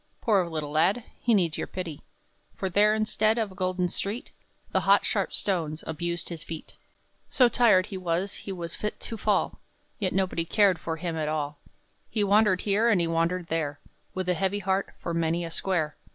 Poor little lad! he needs your pity; For there, instead of a golden street, The hot, sharp stones abused his feet. So tired he was he was fit to fall, Yet nobody cared for him at all; He wandered here, and he wandered there, With a heavy heart, for many a square.